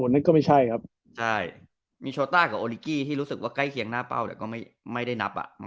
นั่นก็ไม่ใช่ครับใช่มีโชต้ากับโอลิกี้ที่รู้สึกว่าใกล้เคียงหน้าเป้าแต่ก็ไม่ได้นับ